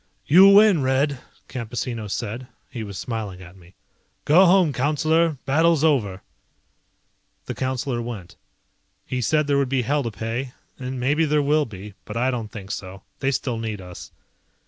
"You win, Red," Campesino said. He was smiling at me. "Go home, Councillor, battle's over." The Councillor went. He said there would be hell to pay, and maybe there will be, but I don't think so, they still need us.